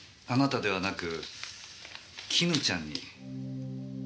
あなたではなく絹ちゃんに。